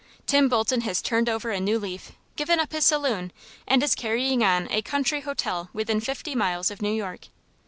Tim Bolton has turned over a new leaf, given up his saloon, and is carrying on a country hotel within fifty miles of New York.